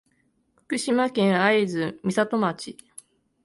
福島県会津美里町